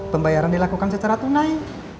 pembayaran dilakukan secara tunai